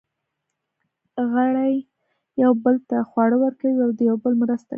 غړي یوه بل ته خواړه ورکوي او د یوه بل مرسته کوي.